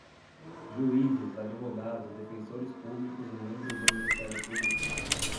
juízes, advogados, defensores públicos e membros do Ministério Público